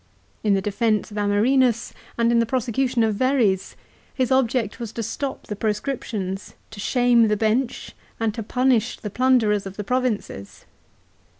In the defence of Amerinus and in the prosecution of Verres, his object was to stop the proscriptions, to shame the bench and to punish the plunderers of the provinces.